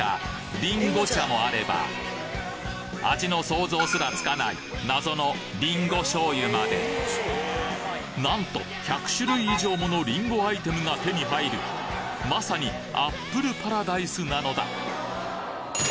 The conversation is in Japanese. りんご茶もあれば味の想像すらつかない謎のりんごしょうゆまでなんと１００種類以上ものりんごアイテムが手に入るまさにアップルパラダイスなのだ！